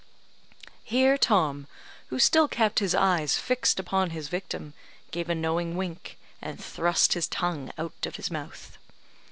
Here Tom, who still kept his eyes fixed upon his victim, gave a knowing wink, and thrust his tongue out of his mouth.